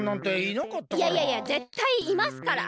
いやいやぜったいいますから。